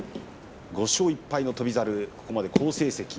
５勝１敗の翔猿、ここまで好成績。